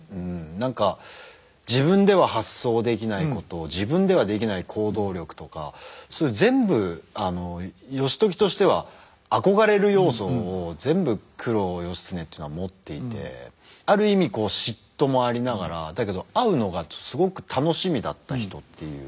何か自分では発想できないことを自分ではできない行動力とかそういう全部義時としては憧れる要素を全部九郎義経っていうのは持っていてある意味嫉妬もありながらだけど会うのがすごく楽しみだった人っていう。